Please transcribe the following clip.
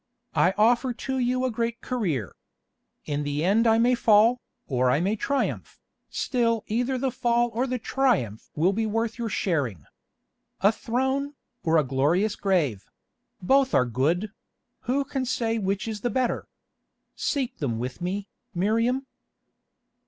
I offer to you a great career. In the end I may fall, or I may triumph, still either the fall or the triumph will be worth your sharing. A throne, or a glorious grave—both are good; who can say which is the better? Seek them with me, Miriam."